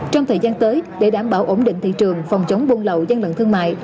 trong thời gian tới để đảm bảo ổn định thị trường phòng chống buôn lậu gian lận thương mại